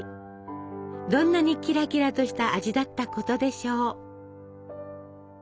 どんなにキラキラとした味だったことでしょう！